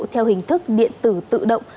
theo hình thức điện tử tự động